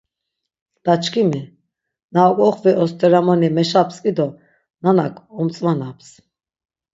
Da çkimi, na ok̆oxvi osteramoni meşaptzk̆i do nanak omtzvanaps.